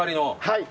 はい。